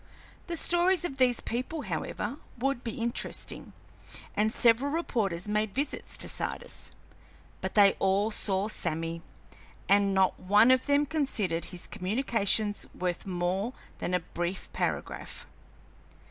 The stories of these people, however, would be interesting, and several reporters made visits to Sardis. But they all saw Sammy, and not one of them considered his communications worth more than a brief paragraph.